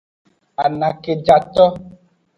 Anakejato.